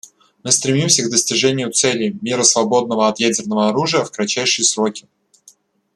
Мы стремимся к достижению цели мира, свободного от ядерного оружия, в кратчайшие сроки.